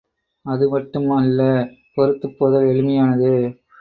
அது மட்டும் அல்ல, பொறுத்துப் போதல் எளிமையானது.